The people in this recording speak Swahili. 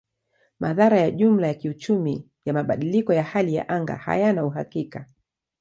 Madhara ya jumla ya kiuchumi ya mabadiliko ya hali ya anga hayana uhakika.